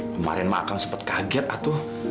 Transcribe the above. kemarin makam sempat kaget atuh